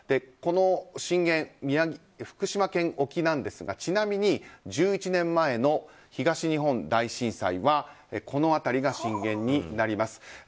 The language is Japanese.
この震源、福島県沖なんですがちなみに１１年前の東日本大震災はこの辺りが震源になります。